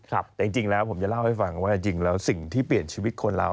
แต่จริงแล้วผมจะเล่าให้ฟังว่าจริงแล้วสิ่งที่เปลี่ยนชีวิตคนเรา